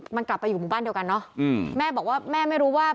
มันกลับไปอยู่หมู่บ้านเดียวกันเนอะแม่บอกว่าแม่ไม่รู้ว่า